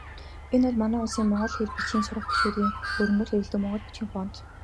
Энэ бол манай улсын монгол хэл, бичгийн сурах бичгүүдэд өргөнөөр хэрэглэдэг монгол бичгийн фонт.